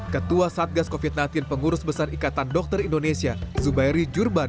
ketua satgas covid sembilan belas pengurus besar ikatan dokter indonesia zubairi jurban